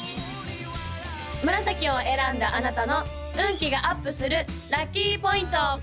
紫を選んだあなたの運気がアップするラッキーポイント！